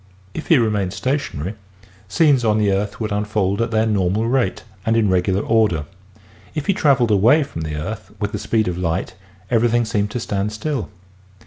If he remained stationary, scenes on the earth would unfold at their normal rate and in regular order. If he traveled away from the earth with the speed of light everything seemed to stand still.